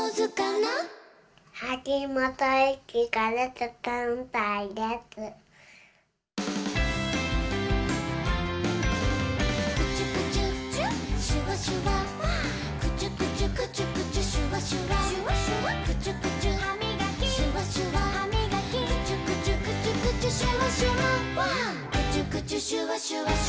「ファンファンファン」「クチュクチュシュワシュワ」「クチュクチュクチュクチュシュワシュワ」「クチュクチュハミガキシュワシュワハミガキ」「クチュクチュクチュクチュシュワシュワ」「クチュクチュシュワシュワシュワシュワクチュクチュ」